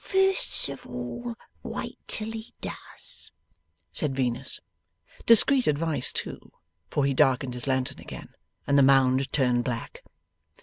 'First of all, wait till he does,' said Venus. Discreet advice too, for he darkened his lantern again, and the mound turned black.